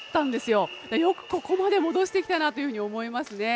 よくここまで戻してきたなというふうに思いますね。